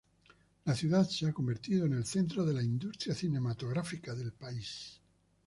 La ciudad se ha convertido en el centro de la industria cinematográfica del país.